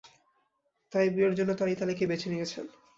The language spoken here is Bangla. তাই বিয়ের জন্য তাঁরা ইতালিকেই বেছে নিয়েছেন।